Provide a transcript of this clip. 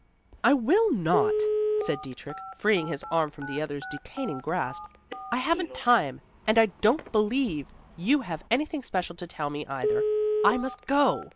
"I will not," said Dietrich, freeing his arm from the other's detaining grasp. "I haven't time, and I don't believe you have anything special to tell me, either. I must go."